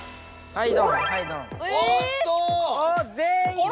はい。